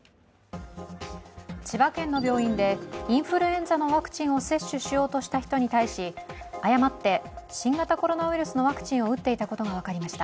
千葉県の病院でインフルエンザのワクチンを接種しようとした人に対し、誤って新型コロナウイルスのワクチンを打っていたことが分かりました。